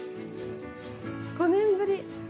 ５年ぶり。